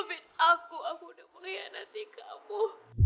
mampir aku aku sudah mengkhianati kamu